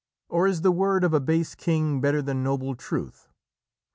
Or is the word of a base king better than noble truth?